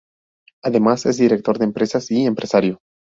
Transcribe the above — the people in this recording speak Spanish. Además, es director de empresas y empresario.